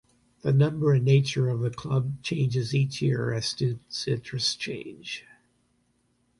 The number and nature of clubs changes each year as student interests change.